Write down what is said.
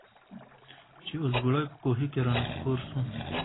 چي اوزګړی په کوهي کي را نسکور سو